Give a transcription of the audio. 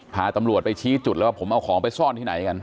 พาตำรวจไปชี้จุดแล้วว่าผมเอาของไปซ่อนที่ไหนกัน